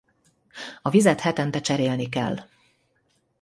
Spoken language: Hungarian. A vizet hetente cserélni kell.